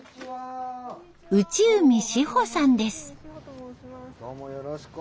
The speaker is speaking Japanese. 内海志保さんです。